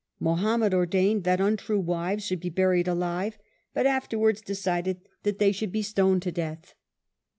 Mohammed ordained that untrue wives should be buried alive, but afterwards decided that they should; be stoned to death.